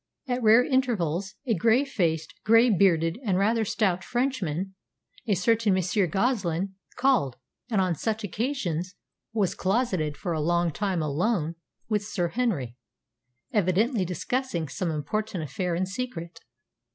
At rare intervals a grey faced, grey bearded, and rather stout Frenchman a certain Monsieur Goslin called, and on such occasions was closeted for a long time alone with Sir Henry, evidently discussing some important affair in secret.